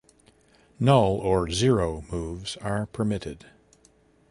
"Null" or "zero" moves are permitted.